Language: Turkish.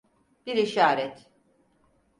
Bir işaret.